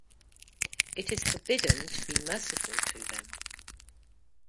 It is forbidden to be merciful to them.